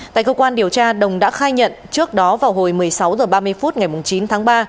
tại cơ quan điều tra đồng đã khai nhận trước đó vào hồi một mươi sáu h ba mươi phút ngày chín tháng ba